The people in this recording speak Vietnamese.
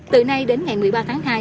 từ nay đến ngày một mươi ba tháng hai